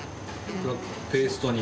ペーストに。